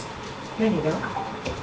何が？